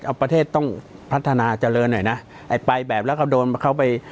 เอาประเทศต้องพัฒนาเจริญหน่อยนะไอ้ปลายแบบแล้วก็โดนเขาไป